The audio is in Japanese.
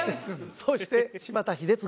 そして柴田英嗣。